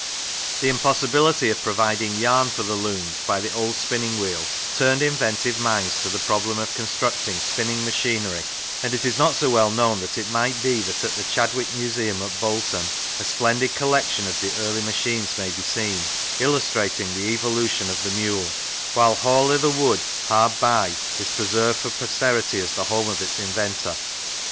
The impossibility of providing yarn for the looms by the old spinning wheel turned inventive minds to the problem of constructing spinning machinery, and it is not so well known as it might be that at the Chad wick Museum at Bolton a splendid collection of the early machines may be seen, illustrating the evolution of the mule; while Hall i' the Wood, hard by, is preserved for posterity as the home of its inventor.